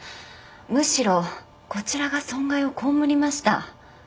むしろこちらが損害を被りました。